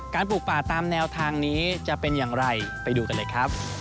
ปลูกป่าตามแนวทางนี้จะเป็นอย่างไรไปดูกันเลยครับ